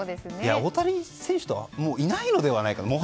大谷選手とはもういないのではないか。